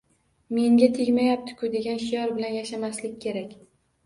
“Menga tegmayapti-ku” degan shior bilan yashamaslik kerak.